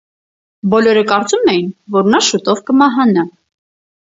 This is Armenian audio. Բոլորը կարծում էին, որ նա շուտով կմահանա։